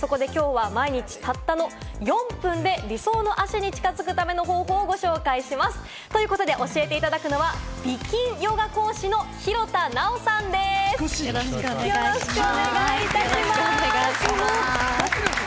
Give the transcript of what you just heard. そこできょうは毎日たったの４分で理想の脚に近づくための方法をご紹介します。ということで教えていただくのは、美筋ヨガ講師の廣田なおさんです、よろしくお願いします。